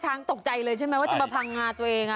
ตกใจเลยใช่ไหมว่าจะมาพังงาตัวเอง